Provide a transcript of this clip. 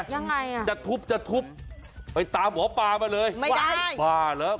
ยังไงจะทุบจะทุบไปตามหมอปามาเลยไม่ได้บ้าเหรอ